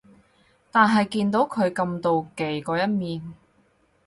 但係見到佢咁妒忌嗰一面